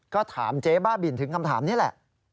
ก็ถามเจ๊บ้าบินถึงคำถามนี้แหละ